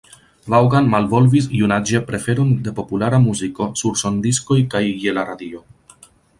Vaughan malvolvis junaĝe preferon de populara muziko sur sondiskoj kaj je la radio.